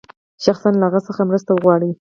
شخصاً له هغه څخه مرسته وغواړي.